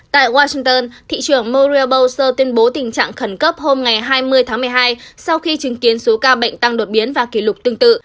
tại washington thị trưởng morier burser tuyên bố tình trạng khẩn cấp hôm hai mươi tháng một mươi hai sau khi chứng kiến số ca bệnh tăng đột biến và kỷ lục tương tự